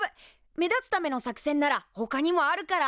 目立つための作戦ならほかにもあるから。